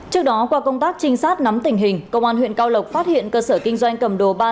trước đó qua công tác trinh sát nắm tình hình công an huyện cao lộc phát hiện cơ sở kinh doanh cầm đồ ba